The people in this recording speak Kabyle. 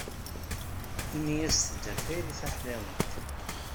Ini-as tedder tayri taḥlawant.